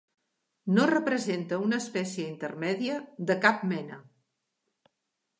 No representa una espècie intermèdia de cap mena.